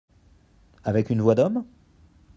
Avec une voix d’homme ?